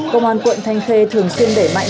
công an quận thanh khê thường xuyên để mạnh